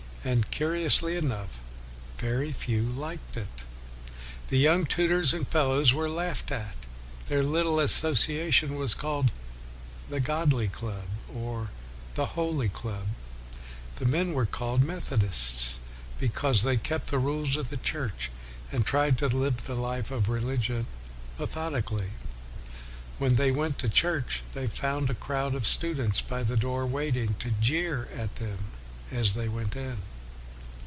And, curiously enough, very few liked it. The young tutors and fel lows were laughed at. Their little asso ciation was called the Godly Club, or the Holy Club. The men were called Metho dists, because they kept the rules of the Church, and tried to live the life of re ligion methodically. When they went to church, they found a crowd of students by the door waiting to jeer at them as they went in.